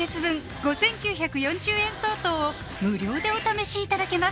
５９４０円相当を無料でお試しいただけます